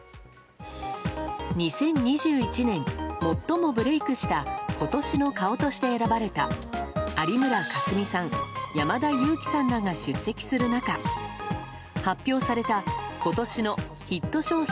２０２１年、最もブレークした今年の顔として選ばれた有村架純さん、山田裕貴さんらが出席する中発表された今年のヒット商品